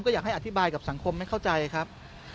ก็อยากให้อธิบายกับสังคมให้เข้าใจครับ